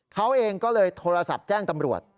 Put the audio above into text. เขาเองก็เลยโทรศัพท์แจ้งตำรวจ